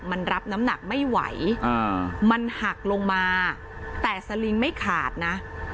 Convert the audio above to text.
มันรับน้ำหนักไม่ไหวมันหักลงมาแต่สลิงไม่ขาดนะ